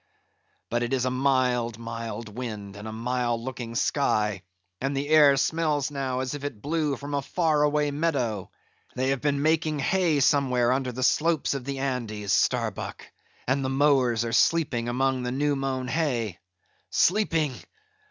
But it is a mild, mild wind, and a mild looking sky; and the air smells now, as if it blew from a far away meadow; they have been making hay somewhere under the slopes of the Andes, Starbuck, and the mowers are sleeping among the new mown hay. Sleeping?